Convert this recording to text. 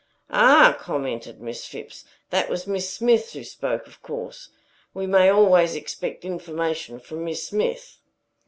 "Ah!" commented Miss Phipps, "that was Miss Smith who spoke, of course. We may always expect information from Miss Smith.